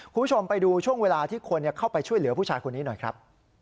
คุณผู้ชมไปดูช่วงเวลาที่คนเข้าไปช่วยเหลือผู้ชายคนนี้หน่อยครับ